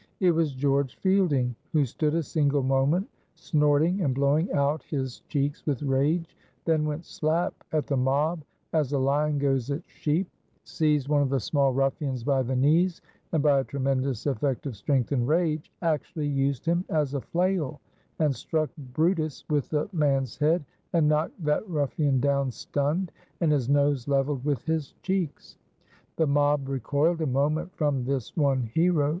It was George Fielding, who stood a single moment snorting and blowing out his cheeks with rage, then went slap at the mob as a lion goes at sheep; seized one of the small ruffians by the knees, and, by a tremendous effect of strength and rage, actually used him as a flail, and struck brutus with the man's head, and knocked that ruffian down stunned, and his nose leveled with his cheeks. The mob recoiled a moment from this one hero.